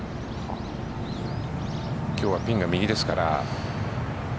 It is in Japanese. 今日はピンが右ですから。